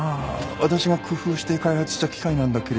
私が工夫して開発した機械なんだけれども。